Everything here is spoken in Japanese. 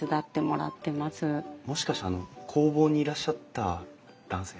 もしかしてあの工房にいらっしゃった男性？